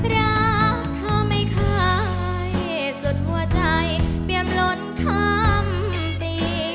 รักเธอไมค่อยสุดหัวใจเปรียบหล่นคัมปี